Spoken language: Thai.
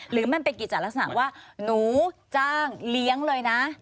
หรือมันเป็นกิจจัดลักษณะว่าหนูจ้างเลี้ยงเลยนะ